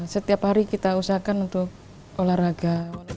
setiap hari kita usahakan untuk olahraga